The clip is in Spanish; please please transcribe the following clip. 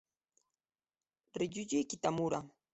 Ryuji Kitamura